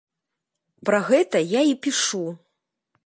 Пра гэта я і пішу.